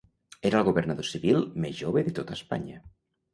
Era el governador civil més jove de tota Espanya.